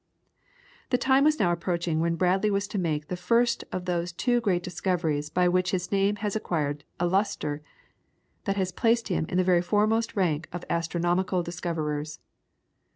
The time was now approaching when Bradley was to make the first of those two great discoveries by which his name has acquired a lustre that has placed him in the very foremost rank of astronomical discoverers.